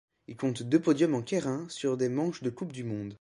Il compte deux podiums en keirin sur des manches de Coupe du monde.